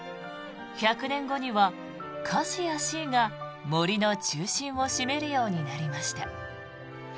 １００年後にはカシやシイが杜の中心を占めるようになりました。